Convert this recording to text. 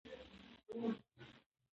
د ټولنې داخلي جوړښت ډېر پېچلی دی.